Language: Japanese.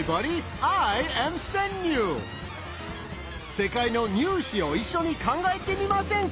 世界の入試を一緒に考えてみませんか？